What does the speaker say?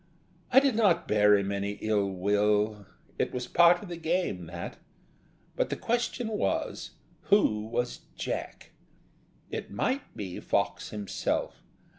I did not bear him any ill will; it was part of the game, that. But the question was, who was Jack? It might be Fox himself....